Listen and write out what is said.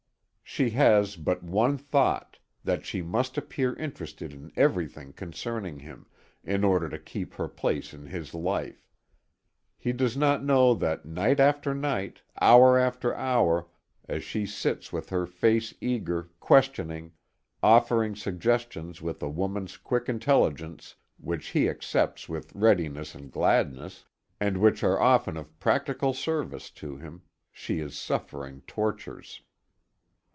She has but one thought: that she must appear interested in everything concerning him, in order to keep her place in his life. He does not know that night after night, hour after hour, as she sits with her face eager, questioning, offering suggestions with a woman's quick intelligence, which he accepts with readiness and gladness, and which are often of practical service to him, she is suffering tortures.